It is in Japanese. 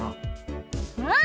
うん。